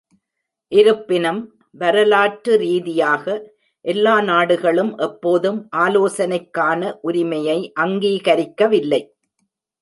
இருப்பினும், வரலாற்று ரீதியாக, எல்லா நாடுகளும் எப்போதும் ஆலோசனைக்கான உரிமையை அங்கீகரிக்கவில்லை